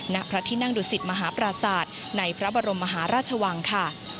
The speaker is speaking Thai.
ณพระที่นั่งดุสิตมหาปราศาสตร์ในพระบรมมหาราชวังค่ะ